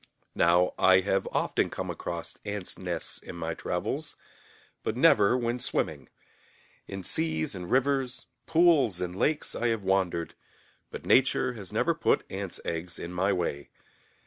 Now I have often come across ants' nests in my travels, but never when swimming. In seas and rivers, pools and lakes, I have wandered, but Nature has never put ants' eggs in my way.